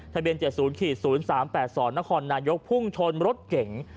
ทะเบียนเจ็ดศูนย์๐๓๘สอนนครนายกพุ่งชนรถเก่ง